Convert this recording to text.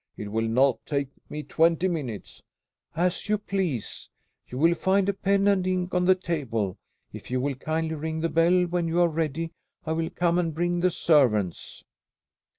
It will not take me twenty minutes." "As you please. You will find a pen and ink on the table. If you will kindly ring the bell when you are ready, I will come and bring the servants."